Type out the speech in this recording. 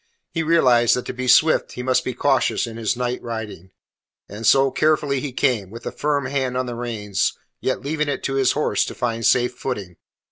He realized that to be swift he must be cautious in his night riding. And so, carefully he came, with a firm hand on the reins, yet leaving it to his horse to find safe footing.